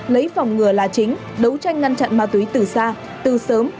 lấy phòng ngừa là chính đấu tranh ngăn chặn ma túy từ xa từ sớm